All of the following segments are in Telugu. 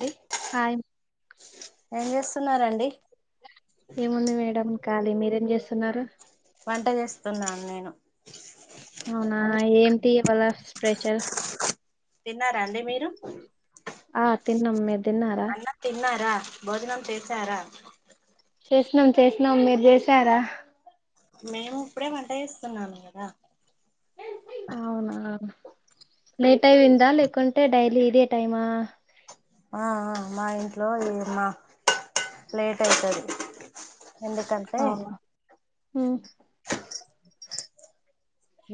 అండి హాయ్ మ్ ఏం చేస్తున్నారండి ఏముంది మేడం ఖాలీ మీరేం చేస్తూ తున్నారు వంట చేస్తున్నా నేను అవునా అన్ని ఏమిటి ఇవాళ స్పెషల్‌ తిన్నారండి మీరు ఆ తిన్నాం మీర్ అన్నం తిన్నర భోజనం చేసారా చేసినాం చేసినాం మీరు చేసారా మేము ఇప్పుడే వంట చేస్తున్నను కదా అవునా లేట్ అయిందా లేకుంటే డైలీ ఇదే టైమా ఆ ఆ మా ఇంట్లో లే మా లేట్ అయితది ఎందుకంటె ఊ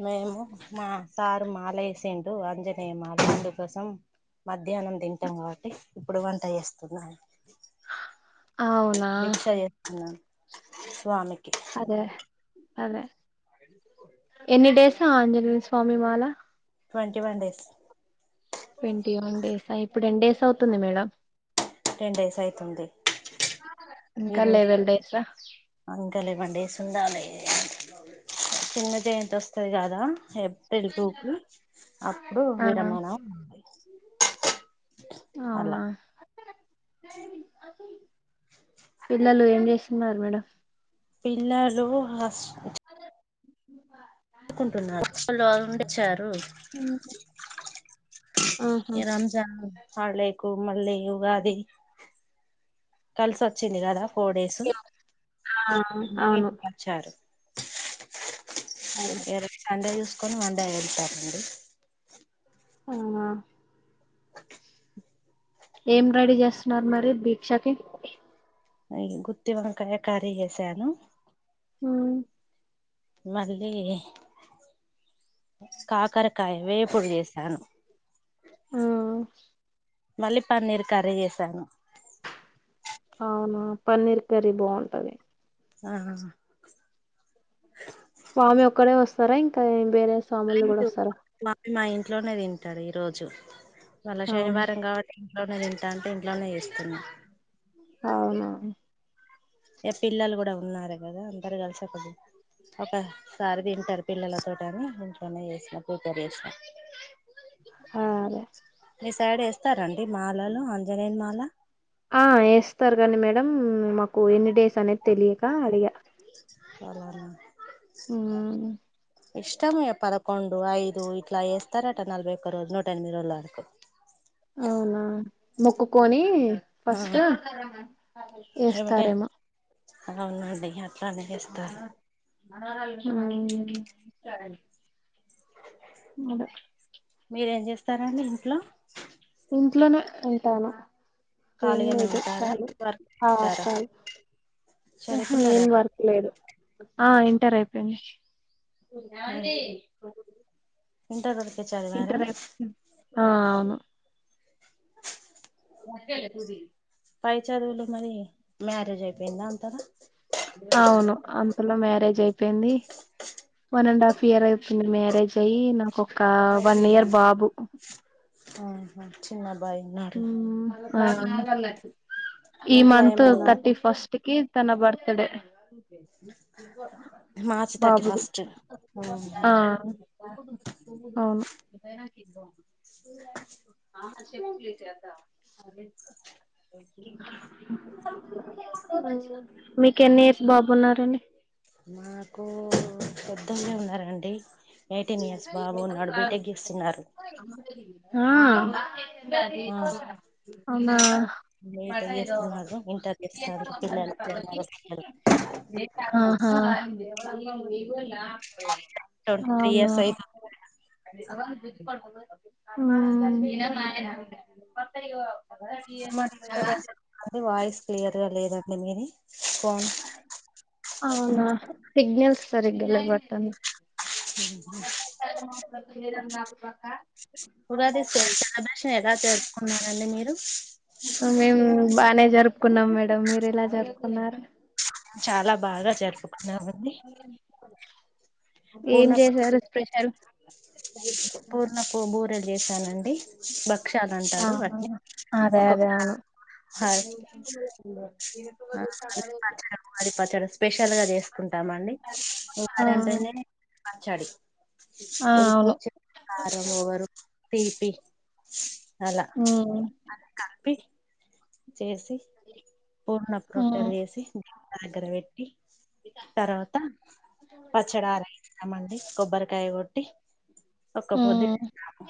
మేము మా సారు మాల ఏసిండు అంజనేయ మాల అందుకోసం మధ్యాహ్నం తింటాం కాబట్టి ఇప్పుడు వంట చేస్తున్నా అవునా భిక్ష చేత్తున్నాను స్వామి అదే అదే ఎన్ని [inaudible] డేస్ ఆంజనేయ స్వామి మాల twenty one days twenty one days ఆ ఇప్పుడు ఎన్నిడేస్ అవుతుంది మేడం టెన్ డేస్ అయితుంది ఈ ఇంకా రోజు లెవెన్ డేసా అ లెవెన్ డేస్ ఉండాలి చిన్న జయంతి వస్తది కదా ఎ తేల్తుకి అప్పుడు ఆ విరమణ ఉంది అవునా అలా పిల్లలు ఏం చేస్తున్నారు మేడం పిల్లలు అదే [inaudible] ఆడుకొంటున్నారు చార్ ఆహా ఈ రంజాన్ హాలిడేకు ఇప్పుడు మళ్లి ఉగాది కల్ సత్ వచ్చింది కదా ఫోర్ డేస్ ఆ హపిట అవును ఇంటికిక వచ్చారు [unintelligible] అదే ఈ రోజు సండే కొని వంద వెళ్తారండి [inaudible] అవునా [inaudible] ఏం రెడీ చేస్తున్నారు మరి భిక్షకి అయి గుత్తివంకాయ కర్రీ చేశాను హుమ్ మళ్ళీ కాకరకాయ వేపుడు చేసాను హుమ్ మళ్ళీ పాన్నీర్ కర్రీ చేేసాను అవునా పన్నీర్ కర్రీ బాగుంటది ఆ [inaudible] స్వామి ఒక్కరే వస్తారా ఇంకా వేరే స్వాములు కూడా లేదు వస్తారా స్వామి మా ఇంట్లోనే తింటారు ఈరోజు నల్ల అవును శనివారం కాబట్టి ఇంట్లోనేను తంటా అంటే ఇంట్లోనే చేస్తున్నా అవునను ఇ పిల్లలు కూడా ఉన్నారు కదా అందరు కలిసకదు ఒకసారి తింటారు పిల్లలతో అని ఇంట్లోనే చేసినా ప్రిపేర్ చేసినా అ అదే మీ సైడ్ వేస్తారండి మాలలు ఆంజనేని మాల ఆ వేస్తారు కానీ మేడం మాకు ఎన్ని డేస్ అనేది తెలియక అడిగా స ఆ ఇష్టమే పదకొండు ఐదు ఇట్లా చేస్తారటా నల్బ రోజు నూట ఎనిమిది రోజు వరకు అవునా మొక్కుకొని ఆ ఫస్ట్ వేస్తారేమో అ ఉన్నాండడి ప్రనిగిస్తారు మీర ఏం చేస్త తర్ అండి ఇంట్లో ఇంట్లోనే ఉంటాను ఏం ఖాళీగానే లేదు ఉంటారా కాదు వర్క్ చేస్తారా క ఆహా ఏం చదువుకున్నారా వర్క్ లేదు ఆ ఇన్ ట్టర్ అయిపోయింది యావండి ఇంటర్ చా చదివారా ఆ అవును నాకేల తూది పై చదువులు మరి మ్యారేజ్ అయిపోయిందా అంతారా మల్ల మ్యారేజ్ అయి పింది వన్ అండ్ హాఫ్ ఇయర్ అయితుంది మ్యారేజ్ అయ్యి నాకు ఒక వన్ ఇయర్ బాబు ఆహా చిన్న అబ్బాయి ఉన్నాడు ఉమ్ ఆ ఈ ఇంట్లో మంత్ ఏమన్నా థర్టీ ఫస్ట్ కి తన birthday March thirty first హమ్ ఆ హమ్ అవును ఆ చెప్ప మీక ఎన్ని ఇయర్స్ బాబున్నారండి మాకు పెద్దగా ఉన్నారంండి ఎయిటీన్ ఇయర్స్ బాబున్నాడు బయటెక్కిస్తున్నారు ఆ అవునా బీటెక్ చేస్తున్నాడు ఇంటర్ చేస్తాండ్రు పిల్లలు ఇద్దరు మగ పిల్లలు ఆ అవునా ట్వంటీ త్రీ ఇయర్స్ అయితుంది ఉమ్ డిస్టబెన్స్ కానీ వాయిస్ క్లియర్ గా లేదండి మీది కోన్ అవునా సిగ్నల్స్ సరిగ లేవ్ బటన్ పక్క ఉగాది స్ సెలబ్రేషన్ ఎలా చేరుసుకున్నానండి మీరు మేం బానే జరుపుకున్నాం మేడం మీరు ఎలా జరుపుకున్నారు చాలా బాగా జరుపుకున్నామండి పూర్ణక్ స చేశానండి బక్ క్షాలు అంటారు ఆహా వాటిని అదే ఒక్కొక అదే అవును హ వ పచ్చడి స్పెషల్గా చేసుకుంటామండి ఆ వారి అంటేనే పచ్చడి ఆ పులుపు అవును కారం ఇవ్వరు పిపీ అలా ఉమ్ అలా కల్పి చేసి పూర్ణపు రొట్టెలు ఉమ్ చేసి దగ్గర పెట్టి తర్వాత పచ్చడి ఆరైదామండి కొబ్బరికాయ కొట్టి ఒక పొద్దు ఉమ్ ఉంటాము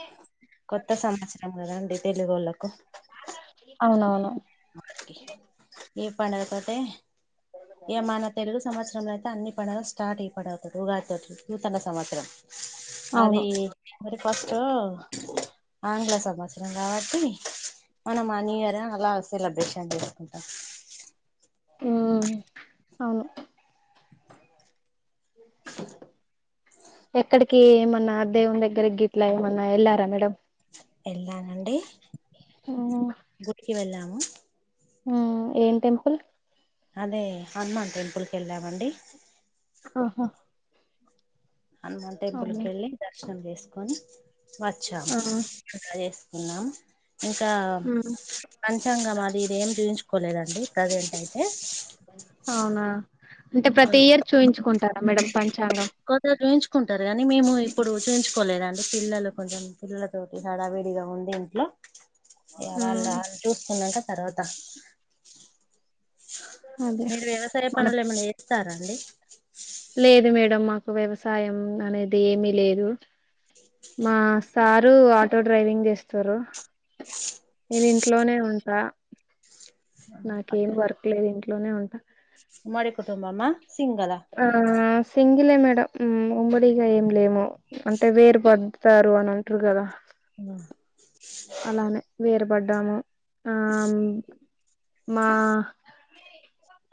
కొత్త సంవత్సరం కదండి తెలుగోళ్లకు అవునవును ఇదే ఈ పనైపోతే ఏ మన తెలుగు సంవత్స తం అయితే అన్ని పండుగలు స్టార్ట్ ఇప్పుడవుతాది ఉగాది నూతన సంవత్సరం అవును అది మరి ఫస్టు ఆంగ్ల సంవత్సరం కాబ తుని మనమా న్యూ ఇయరా లాస్ [inaudible] కుంటామ్ మ్మ్ అవును ఎక్కడికి ఏమన్నా దేవుని దగ్గరికి గిట్లా ఏమన్నా ఎళ్ళారా మేడం ఎళ్ళానండి ఉమ్ గుడికి వెళ్ళాం అ హ ఏం టెంపుల్ అదే హనుమాన్ టెంపుల్ క వెళ్ళామండి ఆహా హనుమాన్ టెంపుల్ అవును పెళ్లి దర్శనం చేస్త కానీ వచ్చా ఆ ఉ ఇంకా ఉమ్ పంచాంగ అది ఇదేమి చూయించుకోలే కోలేదండి అదేంటయితే అవునా అంటే ప్రతి ఇయర్ చూయించుకుంటారా మేడం పంచాంగం కొందరు చూపించుకుంటారు కానీ మేము ఇప్పుడు చూయించుకోలేదు పిల్లలు కొంచెం పిల్లలతోటి హడావిడిగా ఉండడి ఇంట్లో వాళ్ళు ఉమ్ వాళ్ళు చూస్తున్నంట తర్వాత అదే మీరు వ్యవసాయ మన పనులు ఏమన్నా చూస్తారా అండి లేదు మేడంమ్ మాకు ఒక వ్యవసాయం అనేది ఏమీ లేదు మా సార్ ఆటో డ్రైవింగ్ చేస్తారు నేను ఇంట్లోనే ఉంటా నాకేం వర్క్ లేదంటి ఇంట్లోనే ఉంటా ఉమ్మడి కుటుంబమ్మా సింగలా తింగిలే మేడం ఉమ్మడిగా ఏమి లేము అంటే వేరు పడతారు అని అంటారు కదా వా అలానే వేర పడ్డాము ఆ మా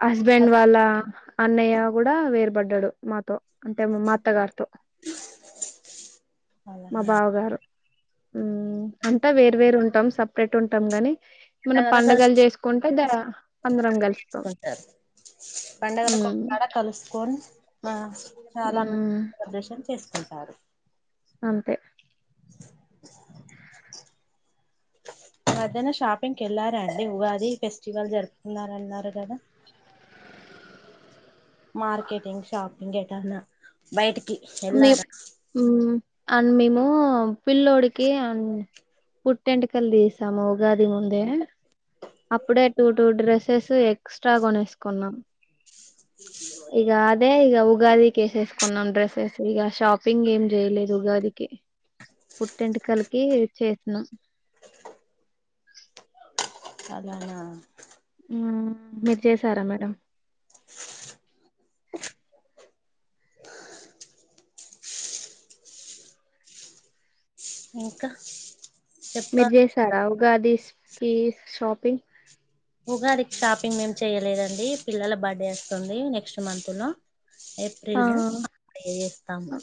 హస్బెండ్ వాళ్ళా అన్నయ్య కూడా వేర్ పడ్డాడు మాతో అంటే మా అత్తగారితో మా అలానా బావ గారు ఆ అంతా వేర్ వేరు ఉంటాం సపరేట్ ఉంటాం గాని మన పండగలు చేసుకుంటే ద అన్న తీసుకుంటారు పండగ ఉమ్, కొడా కలుసుకొని మా చాలా మంచి ఉమ్, ప్రదర్శనం చేసురు సారు అంతే మధనా షాపింగ్కి వెళ్లారండి ఉగాది ఫెస్టివల్ జరుపుకున్నారన్నారు కదా మార్కెటింగ్ షాపింగ్ ఎటన్నా బయటికి మే వెళ్ళారా అండ్ మేము పిల్లోడికి అం పుట్టటిెంటకలు తీసాము ఉగాది ముందే అప్పుడే టూ టూ డ్రెస్సెస్ ఎక్స్ట్రా కొనేసుకున్నాం ఇక అదే ఇక ఉగాదికి వేసేసుకున్నాం డ్రెస్సెస్ గా షాపింగ్ ఏం చేయలేదు ఉగాదికి పుట్యాంటిక్టి కలికి చేసినం అలానా ఆ మీరు చేసారా మేడం ఇంకా మీర చెప్పాలి చెసారా ఉగాదికి షాపింగ్ ఉగాదికి షాపింగ్ మేం చెయ్యలేదండి పిల్లల బర్త్డే వస్తుంది నెక్స్ట్ మంత్ లో ఏప్రిల్ ఆ లో చేస్తాము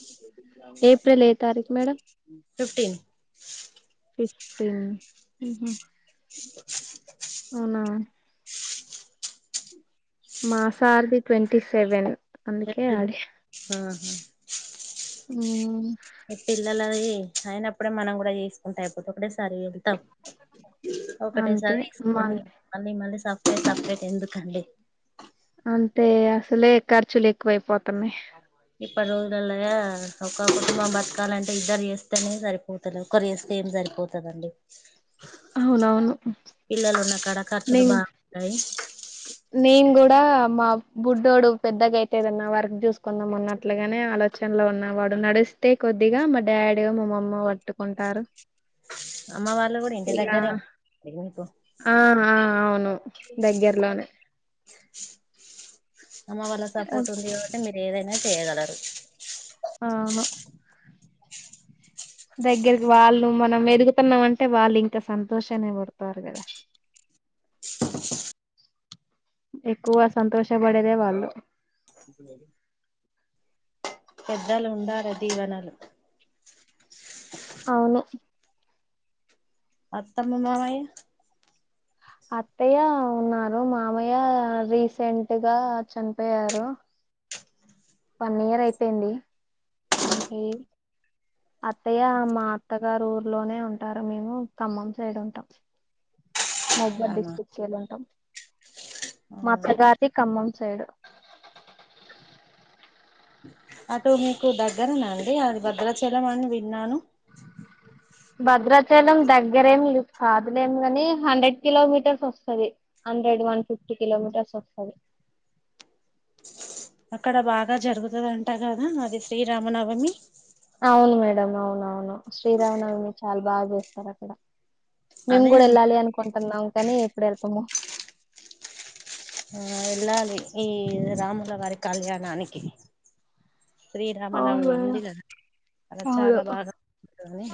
ఎల్ ఏ తారీఖ మేడంమ్ ఫిఫటీన్ ఇే అవునా మాసారది ట్వంటీ సెవెన్ అందుకే ఆడి అ ఉ పిల్లల అది అయినప్పుడే మనం కూడా చేసుకుంటా అయిపోతే ఒకటి సారి వెళ్తాం అంతే ఒకటేసారి తీసుకొని మన్ మళ్ళీ మళ్ళీ సే సపరేట్ ఎందుకండి అంటే అసలే ఖర్చులు ఎక్కువైపోతున్నాయి ఇప్పటి రోజుల ఒక కుటుంబం బతకాలంటే ఇద్దరు చేస్తేనే సరిపోతుంది ఒకరు వేస్తే ఏం సరిపోతుందండి అవునవును కచులు బాగుయి నేన్ కూడా మా బుడ్డోడు పెద్దగా అయితేదన్న వర్క్ చూసుకుందాం అన్నట్లుగానే ఆలోచనలో ఉన్నవాడు నడిస్తే కొద్దిగా మా డాడీ మా అమ్మ పట్టుకుంటారు అమ్మ వాళ్ళు కూడా ఇంటి ఇకా దగ్గరే ఉంటారు, మీకు ఆ ఆ అవును దగ్గర అమ్మ వాళ్ళ సపోర్ట్ ఉంది కాట్టి మీరు ఏదైనా అ చే తలరు అవును దగ్గరికి వాళ్ళు మనం ఎదుగుతున్నాం అంటే వాళ్ళు ఇంకా సంతోషన్ని పడతారు కదా ఎక్కువ సంతోష పడేదే వాళ్ళు పెద్దలు ఉండారా దీవెనలు అవును అత్తమ్మ మామయ అత్తయ్య ఉన్నారు మామయ్య రీసెంట్గా చనిపోయారు వన్ ఇయర్ అయిపోయింది చనిపోయి అత్తయ్య మా అత్తగారు ఊర్లోనే ఉంటారు మేము ఖమ్మం సైడ్ ఉంటాం మౌబాద్ అలానా డిస్టిక్కేళ్ళుంటాం అవునా మత్తగారిది ఖమ్మం సైడ్ అటు మీకు దగ్గరన అండి అది భద్రాచలం అని విన్నాను భద్రాచలం దగ్గరేమి కాదులేం కని హండ్రెడ్ కిలోమీటర్స్ వస్తది హండ్రెడ్ వన్ ఫిఫ్టీ కిలోమీటర్స్ వస్తది అక్కడ బాగా జరుగుతదంటా కదా అది శ్రీరామనవమి అవును మేడం అవున అవును శ్రీరామనవి మీరు చాలా బాగా చేస్తారు అక్కడ మేము అదే కూడా అన్ వెళ్ళాలి అనుకుంటున్నాం కానీ ఎప్పుడెల్తమో ఆ ఎల్లాలి ఈ రాములవారి కళ్యాణనికి శ్రీరామనవమి అవును ఉంది కదా అలా అవును చాలా బాగానిపిస్తుంది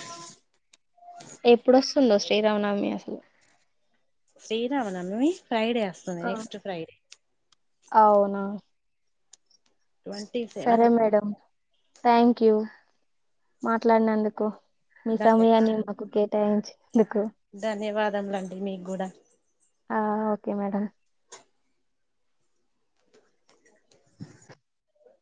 ఎప్పుడొస్తుందో శ్రీరామనవమి అసలు శ్రీరామనమమి ఫ్రైడే వస్తుంది ఆ నెక్స్ట్ ఫ్రైడే అవునా ట్వంటీ సెవెన్ సరే మేడంమ్ థాంక్ యూ మాట్లాడినందుకు ధన్యవా మీసమయాన్ని మాకు కే టయించు ధన్యవాదములండి మీకు గుడా కే మేడం